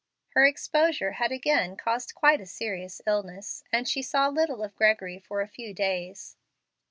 Her exposure had again caused quite a serious illness, and she saw little of Gregory for a few days.